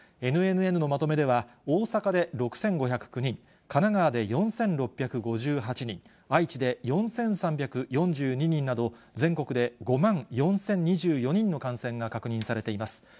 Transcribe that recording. ＮＮＮのまとめでは、大阪で６５０９人、神奈川で４６５８人、愛知で４３４２人など、全国で５万４０２４人の感染が確認されています。